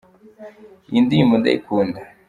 iyindirimbo ndayikunda